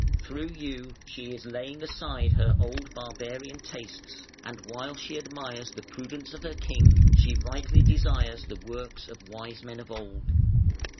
Through you she is laying aside her old barbarian tastes, and while she admires the prudence of her King she rightly desires the works of wise men of old.